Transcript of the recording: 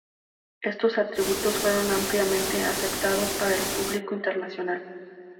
Estos atributos fueron ampliamente aceptados para el público internacional.